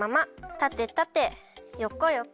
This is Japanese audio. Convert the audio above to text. たてたてよこよこ。